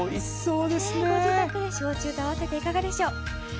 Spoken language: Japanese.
ご自宅で焼酎と合わせていかがでしょう。